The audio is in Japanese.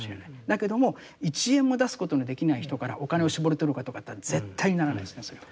だけども１円も出すことのできない人からお金を搾り取るかとかって絶対にならないですねそれは。